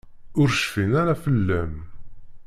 Ur cfin ara fell-am.